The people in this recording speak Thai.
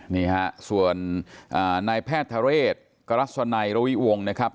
นี่ครับส่วนนายแพทย์ทะเลชกรัศไนรวิวงศ์นะครับ